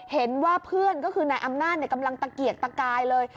เห็นว่าเพื่อนก็คือนายอำนาจกำลังตะเกียกตะกายเลย